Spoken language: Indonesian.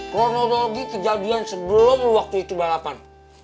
kronologi kejadian sebelum waktu itu balapan